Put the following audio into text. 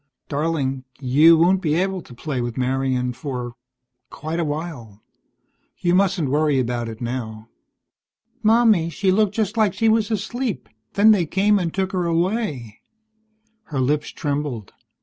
"Darling, you won't be able to play with Marian for quite a while. You mustn't worry about it now." "Mommy, she looked just like she was asleep, then they came and took her away." Her lips trembled.